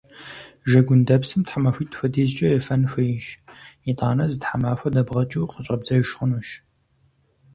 Жэгундэпсым тхьэмахуитӀ хуэдизкӀэ ефэн хуейщ. ИтӀанэ зы тхьэмахуэ дэбгъэкӀыу къыщӀэбдзэж хъунущ.